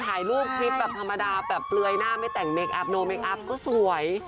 ถ่ายรูปคลิปแบบธรรมดาแบบเปลือยหน้าไม่แต่งเคคอัพโนเมคอัพก็สวย